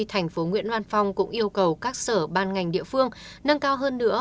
tp nguyễn văn phong cũng yêu cầu các sở ban ngành địa phương nâng cao hơn nữa